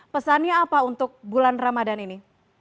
pesannya apa untuk bulan ramadan ini